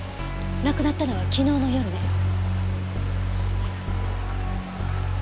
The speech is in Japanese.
亡くなったのは昨日の夜ね。